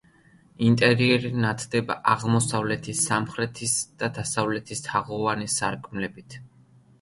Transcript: ინტერიერი ნათდება აღმოსავლეთის, სამხრეთის და დასავლეთის თაღოვანი სარკმლებით.